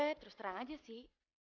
kalau gue terus terang aja sih